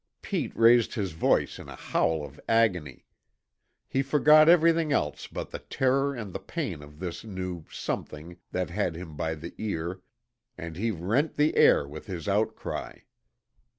Pete raised his voice in a howl of agony. He forgot everything else but the terror and the pain of this new SOMETHING that had him by the ear, and he rent the air with his outcry.